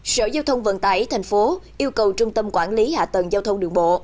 sở giao thông vận tải tp hcm yêu cầu trung tâm quản lý hạ tầng giao thông đường bộ